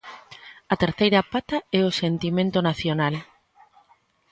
A terceira pata é o sentimento nacional.